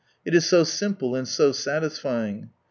It is so simple and so satisfying.